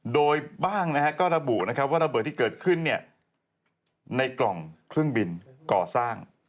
โดยบ้างก็ระบุว่าระเบิดที่เกิดขึ้นในกล่องเครื่องบินก่อสร้าง